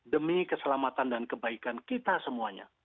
demi keselamatan dan kebaikan kita semuanya